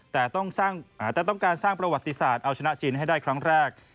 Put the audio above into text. แต่ต้องการสร้างประวัติศาสตร์เอาชนะจีนให้ได้ครั้งแรก